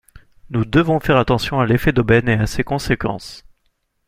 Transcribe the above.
Nous devons faire attention à l’effet d’aubaine et à ses conséquences.